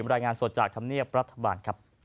รายงานสดจากธรรมเนียบรัฐบาลครับ